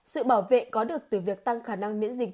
sự bảo vệ có được từ việc tăng khả năng miễn dịch